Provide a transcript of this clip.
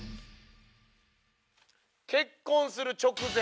「結婚する直前」